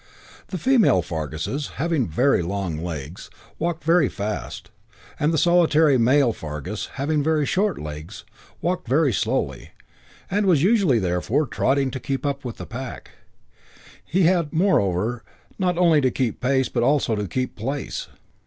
The female Farguses, having very long legs, walked very fast, and the solitary male Fargus, having very short legs, walked very slowly, and was usually, therefore, trotting to keep up with the pack. He had, moreover, not only to keep pace but also to keep place.